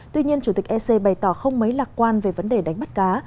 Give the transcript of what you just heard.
tuy nhiên chủ tịch ec bày tỏ không mấy lạc quan về vấn đề đánh bắt cá